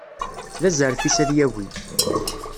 D azref-is ad yagi.